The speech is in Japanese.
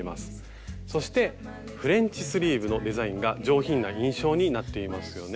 そしてフレンチスリーブのデザインが上品な印象になっていますよね。